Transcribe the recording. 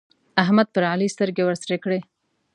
احمد پر علي سترګې ورسرې کړې.